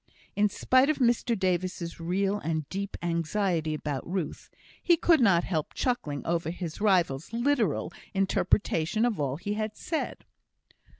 In spite of Mr Davis's real and deep anxiety about Ruth, he could not help chuckling over his rival's literal interpretation of all he had said.